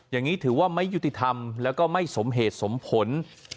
อย่างนี้ถือว่าไม่ยุติธรรมแล้วก็ไม่สมเหตุสมผล